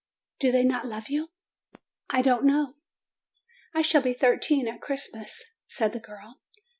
"Do they not love you?" "I don't know." "I shall be thirteen at Christmas," said the girl.